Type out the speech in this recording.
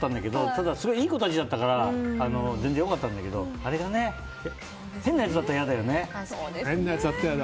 その時はいい子たちだったから全然良かったけどあれが変なやつだったら嫌だよね。